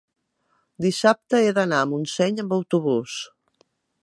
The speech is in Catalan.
dissabte he d'anar a Montseny amb autobús.